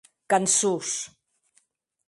Cançons!